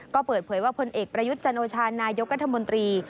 ก็เปิดเผยว่าพลเอกประยุทธ์จันโอชานายกรัฐมนตรี